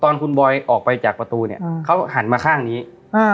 ตอนคุณบอยออกไปจากประตูเนี้ยอืมเขาหันมาข้างนี้อ่า